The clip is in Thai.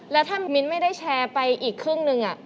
แล้วถ้ามิ้นไม่ได้แชร์ไปอีกครึ่งหนึ่ง